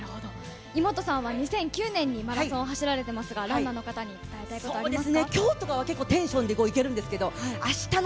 イモトさんは２００９年にマラソンを走られてますが、ランナーの方に伝えたいことありますか。